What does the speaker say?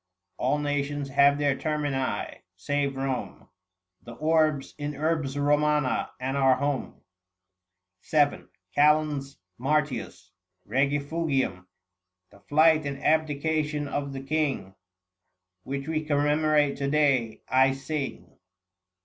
All nations have their termini, save Kome : 730 The Orbs is Urbs Romana, and our home. VII. TCAL. MART. REGIFUGIUM. The flight and abdication of the king, Which we commemorate to day, I sing.